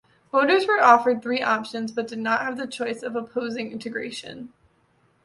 Voters were offered three options, but did not have the choice of opposing integration.